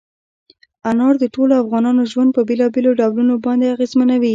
انار د ټولو افغانانو ژوند په بېلابېلو ډولونو باندې اغېزمنوي.